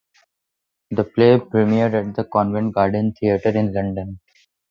The play premiered at the Covent Garden Theatre in London.